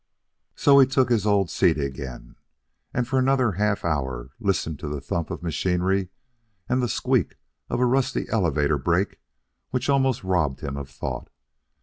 So he took his old seat again and for another half hour listened to the thump of machinery and the squeak of a rusty elevator brake which almost robbed him of thought.